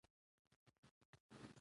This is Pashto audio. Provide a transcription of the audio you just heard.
يو څو دقيقې يې دا صحنه ننداره وکړه.